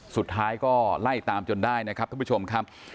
สุดท้ายก็ไล่ตามจนได้นะครับท่านผู้ชมครับ